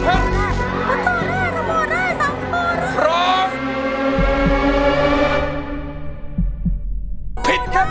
พูดโทรได้พูดโทรได้สำคัญ